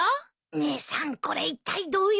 姉さんこれいったいどういうこと？